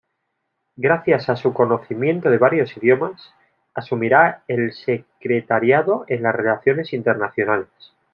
Gracias a su conocimiento de varios idiomas, asumirá el Secretariado en las Relaciones Internacionales.